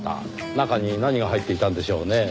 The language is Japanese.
中に何が入っていたんでしょうねぇ。